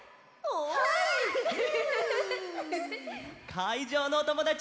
かいじょうのおともだち